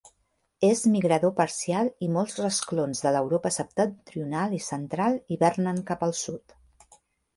És migrador parcial i molts rasclons de l'Europa septentrional i central hivernen cap al sud.